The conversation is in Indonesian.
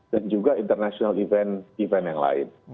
dan juga international event event yang lain